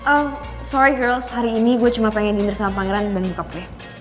oh sorry girls hari ini gue cuma pengen diner sama pangeran dan bokap gue